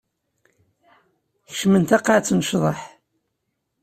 Kecmen taqaɛet n ccḍeḥ.